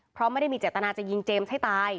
เพราะไม่ได้มีเจตนาจะยิงเจมส์ให้ตาย